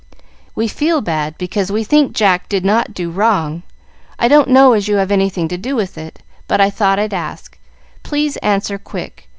We feel bad, because we think Jack did not do wrong. I don't know as you have anything to do with it, but I thought I'd ask. Please answer quick.